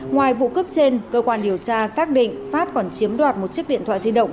ngoài vụ cướp trên cơ quan điều tra xác định phát còn chiếm đoạt một chiếc điện thoại di động